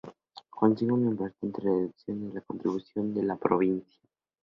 Consigue una importante reducción en la contribución de la provincia.